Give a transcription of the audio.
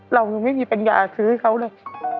เราก็ไม่มีเป็นยาซื้อให้เค้าเลย